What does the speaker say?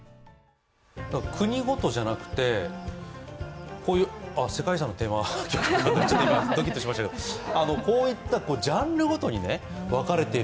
国ごとじゃなくて、今、「世界遺産」のテーマがかかってドキッとしましたけど、こういったジャンルごとに分かれている。